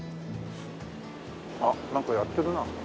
あっなんかやってるな。